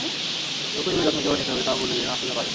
রুক্ষ চুলের যত্ন কীভাবে নিতে হবে তা-ও বলে দিলেন আফরোজা পারভীন।